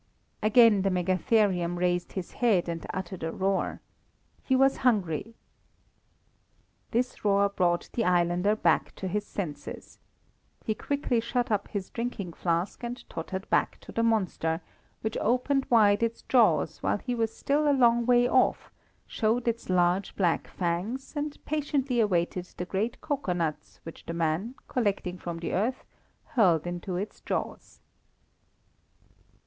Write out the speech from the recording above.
Again the megatherium raised his head and uttered a roar. He was hungry. This roar brought the islander back to his senses. He quickly shut up his drinking flask and tottered back to the monster, which opened wide its jaws while he was still a long way off, showed its large black fangs, and patiently awaited the great cocoanuts which the man, collecting from the earth, hurled into its jaws.